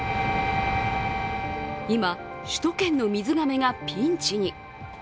今、首都圏の水がめがピンチに。